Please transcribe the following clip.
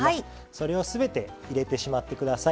それを全て入れてしまって下さい。